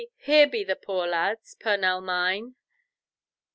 here be the poor lads, Pernel mine."